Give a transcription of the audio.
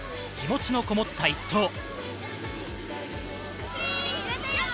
気持ちのこもった１投。